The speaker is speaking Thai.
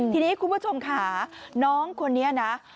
ทีนี้คุณผู้ชมค่ะน้องคนนี้นะ